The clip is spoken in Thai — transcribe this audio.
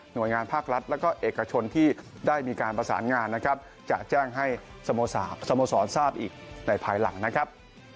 โดยงานภาครัฐแล้วก็เอกชนที่ได้มีการประสานงานนะครับจะแจ้งให้สโมสรทราบอีกในภายหลังนะครับ